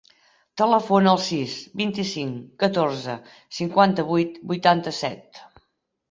Telefona al sis, vint-i-cinc, catorze, cinquanta-vuit, vuitanta-set.